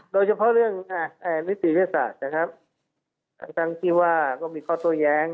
โดยเฉพาะเรื่องนิติพฤษัทนะครับทั้งที่ว่าก็มีข้อตัวแย้ง